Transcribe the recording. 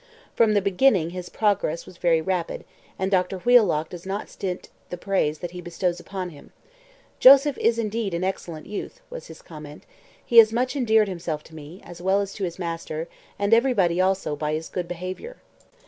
From the beginning his progress was very rapid, and Dr Wheelock does not stint the praise that he bestows upon him: 'Joseph is indeed an excellent youth,' was his comment; 'he has much endeared himself to me, as well as to his master, and everybody also by his good behaviour.'